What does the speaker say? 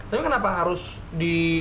tapi kenapa harus di